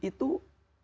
dari almarhum itu